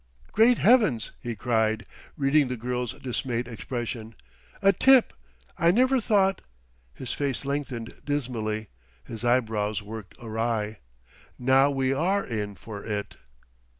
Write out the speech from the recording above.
Great Heavens!" he cried, reading the girl's dismayed expression. "A tip! I never thought !" His face lengthened dismally, his eyebrows working awry. "Now we are in for it!"